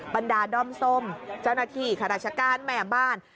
บรรดาด้อมส้มเจ้าหน้าที่ข้าราชการแม่บ้าน